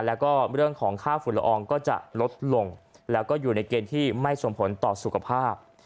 แล้วก็เรื่องของค่าฝุ่นละอองก็จะลดลงแล้วก็อยู่ในเกณฑ์ที่ไม่ส่งผลต่อสุขภาพ